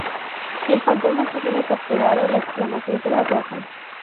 Si el fantasma está siendo capturado, la exclamación será roja.